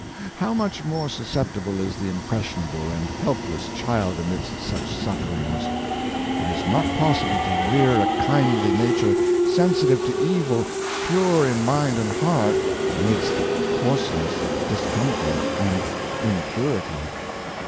How much more susceptible is the impres sionable and helpless child amidst such surroundings I It is not possible to rear a kindly nature, sensitive to evil, pure in mind and heart, amidst coarseness, discom fort, and impurity.